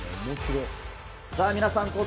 さあ、皆さん